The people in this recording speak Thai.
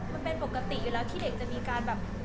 มันเป็นปกติอยู่แล้วที่เด็กจะมีการแบบ